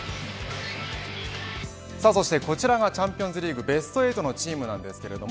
そして、こちらがチャンピオンズリーグベスト８のチームです。